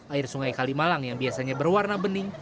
air sungai kalimalang yang biasanya berwarna bening